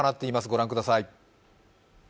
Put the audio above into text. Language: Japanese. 御覧ください。